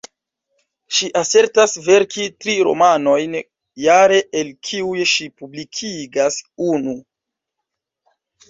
Ŝi asertas verki tri romanojn jare, el kiuj ŝi publikigas unu.